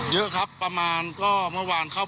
เหนื่องในที่หน้าตลาดบั้นข้อง